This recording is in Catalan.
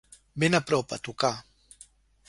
Ben a prop, a tocar.